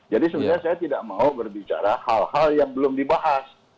jadi sebenarnya saya tidak mau berbicara hal hal yang belum dibahas